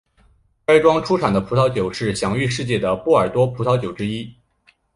该庄出产的葡萄酒是享誉世界的波尔多葡萄酒之一。